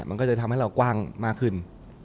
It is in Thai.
มันก็จะทำให้เรากว้างมากขึ้น